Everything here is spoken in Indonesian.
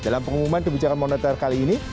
dalam pengumuman kebicaraan monetar kali ini